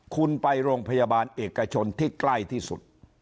คุณไปโรงพยาบาลเอกชนที่ใกล้ที่สุด